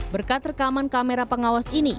berkat rekaman kamera pengawas ini